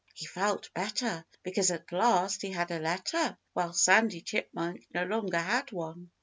He felt better because at last he had a letter, while Sandy Chipmunk no longer had one.